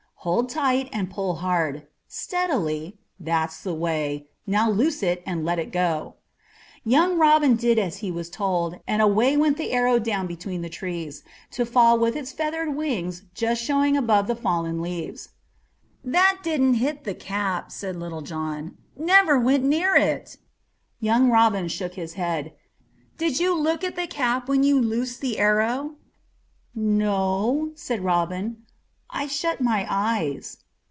Hold tight, and pull hard. Steadily. That's the way. Now loose it and let it go." Young Robin did as he was told, and away went the arrow down between the trees, to fall with its feathered wings just showing above the fallen leaves. "That didn't hit the cap," said Little John. "Never went near." Young Robin shook his head. "Did you look at the cap when you loosed the arrow?" "No," said Robin; "I shut my eyes."